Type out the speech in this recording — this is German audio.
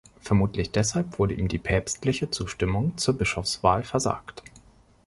Vermutlich deshalb wurde ihm die päpstliche Zustimmung zur Bischofswahl versagt.